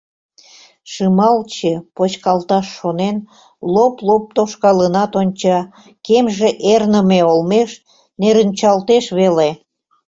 Шымалче, почкалташ шонен, лоп-лоп тошкалынат онча — кемже эрныме олмеш нерынчалтеш веле.